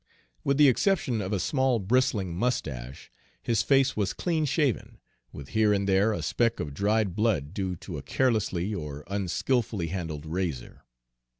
With the exception of a small, bristling mustache, his face was clean shaven, with here and there a speck of dried blood due to a carelessly or unskillfully handled razor.